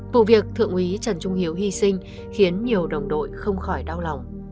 vụ việc thượng úy trần trung hiếu hy sinh khiến nhiều đồng đội không khỏi đau lòng